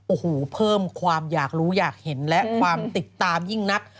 โอ้โหเพิ่มความอยากรู้อยากเห็นและความติดตามยิ่งนัก